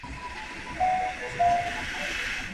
آیا بازار تر کور ډېر بیروبار لري؟